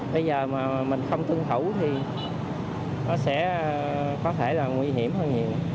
bây giờ mà mình không tuân thủ thì nó sẽ có thể là nguy hiểm hơn nhiều